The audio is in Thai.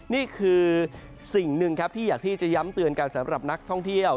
นี่คือสิ่งหนึ่งครับที่อยากที่จะย้ำเตือนกันสำหรับนักท่องเที่ยว